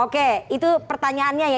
oke itu pertanyaannya ya